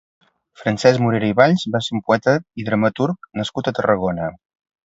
Francesc Morera i Valls va ser un poeta i dramaturg nascut a Tarragona.